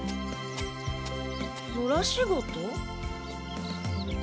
野良仕事？